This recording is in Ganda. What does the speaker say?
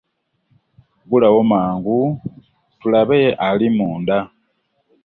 Ggulawo mangu tulabe ali munda.